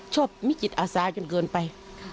ชอบไม่มีกิจอาสาขึ้นเกินไป